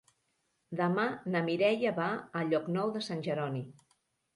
Demà na Mireia va a Llocnou de Sant Jeroni.